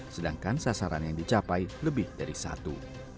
sedangkan sasaran yang dicapai lebih dari satu